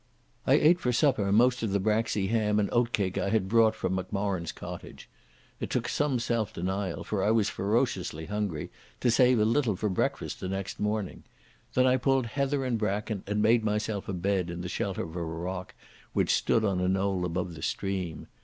I ate for supper most of the braxy ham and oatcake I had brought from Macmorran's cottage. It took some self denial, for I was ferociously hungry, to save a little for breakfast next morning. Then I pulled heather and bracken and made myself a bed in the shelter of a rock which stood on a knoll above the stream.